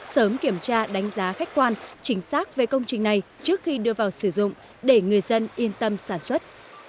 sớm kiểm tra đánh giá khách quan chính xác về công trình này trước khi đưa vào sử dụng để người dân yên tâm sản xuất